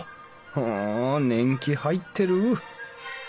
ふん年季入ってる。